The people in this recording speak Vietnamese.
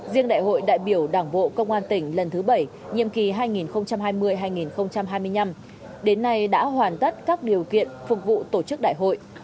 riêng đại hội đại biểu đảng bộ công an tỉnh lần thứ bảy nhiệm kỳ hai nghìn hai mươi hai nghìn hai mươi năm đến nay đã hoàn tất các điều kiện phục vụ tổ chức đại hội